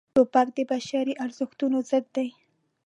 توپک د بشري ارزښتونو ضد دی.